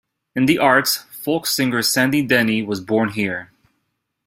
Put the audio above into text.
In the arts, folk singer Sandy Denny was born here.